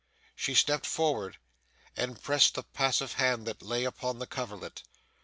She stepped forward, and pressed the passive hand that lay upon the coverlet.